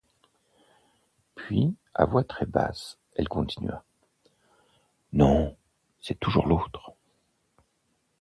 Puis, à voix très basse, elle continua: — Non, c’est toujours l’autre.